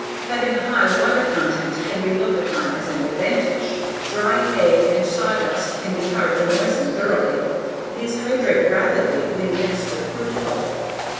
Having a high water content can be looked upon as an advantage. Dry hay and sawdust can be hard to moisten thoroughly; these hydrate rapidly when mixed with fruit pulp.